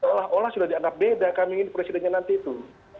seolah olah sudah dianggap beda kami ini presidennya nanti itu